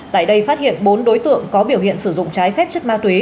tại đây phát hiện bốn đối tượng có biểu hiện sử dụng trái phép chất ma túy